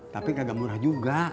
tapi kagak murah juga